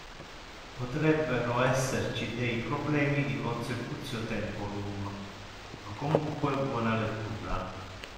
Potrebbero esserci dei problemi di consecutio temporum, ma comunque buona lettura.